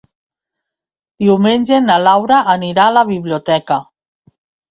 Diumenge na Laura anirà a la biblioteca.